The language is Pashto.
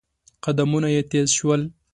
قدمونه يې تېز شول.